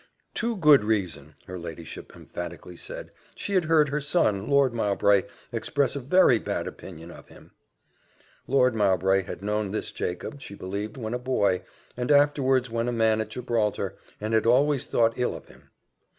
Too good reason, her ladyship emphatically said: she had heard her son, Lord Mowbray, express a very bad opinion of him. Lord Mowbray had known this Jacob, she believed, when a boy, and afterwards when a man at Gibraltar, and had always thought ill of him.